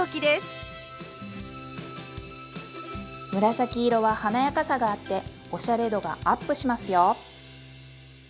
紫色は華やかさがあっておしゃれ度がアップしますよ。